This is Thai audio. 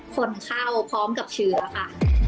คนเข้าพร้อมกับเชื้อค่ะ